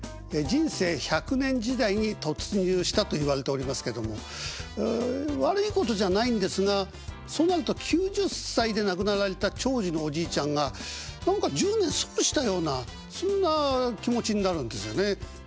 人生１００年時代に突入したといわれておりますけども悪いことじゃないんですがそうなると９０歳で亡くなられた長寿のおじいちゃんが何か１０年損したようなそんな気持ちになるんですよね。